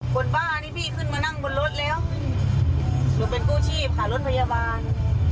บ้านี่พี่ขึ้นมานั่งบนรถแล้วหนูเป็นกู้ชีพค่ะรถพยาบาล